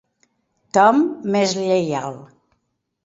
Tom m'és lleial.